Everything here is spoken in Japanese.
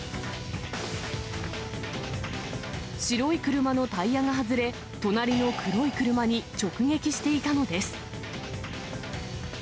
白い車のタイヤが外れ、隣の黒い車に直撃していたのです。